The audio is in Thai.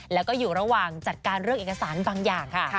แล้วก็อยู่ระหว่างจัดการเรื่องเอกสารบางอย่างค่ะ